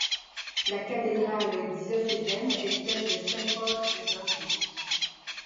La cathédrale diocésaine est celle de Saint-Paul de Dundee.